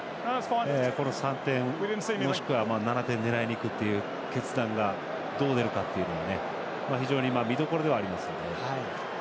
ここで３点、もしくは７点狙いにいくという決断がどう出るかというのも見どころではありますね。